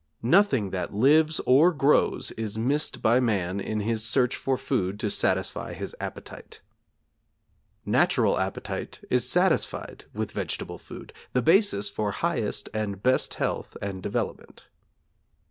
Nothing that lives or grows is missed by man in his search for food to satisfy his appetite. Natural appetite is satisfied with vegetable food, the basis for highest and best health and development.